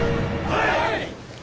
はい！